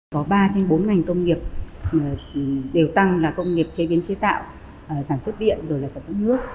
có ba trên bốn ngành công nghiệp đều tăng là công nghiệp chế biến chế tạo sản xuất điện rồi là sản xuất nước